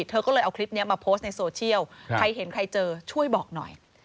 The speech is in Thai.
เธอก็เลยเอาคลิปนี้มาโพสต์ในโซเชียลใครเห็นใครเจอช่วยบอกหน่อย